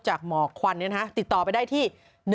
หมอกควันติดต่อไปได้ที่